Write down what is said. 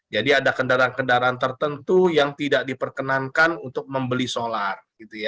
jadi ada kendaraan kendaraan tertentu yang tidak diperkenankan untuk membeli solar